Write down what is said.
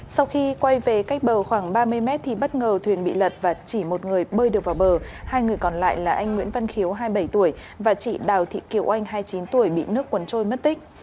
sau khi quay về cách bờ khoảng ba mươi mét thì bất ngờ thuyền bị lật và chỉ một người bơi được vào bờ hai người còn lại là anh nguyễn văn khiếu hai mươi bảy tuổi và chị đào thị kiều oanh hai mươi chín tuổi bị nước cuốn trôi mất tích